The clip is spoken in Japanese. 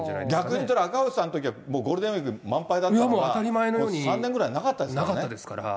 逆に言ったら、赤星さんのときは、ゴールデンウィーク、満杯だったから、こっち３年ぐらいなかったですからね。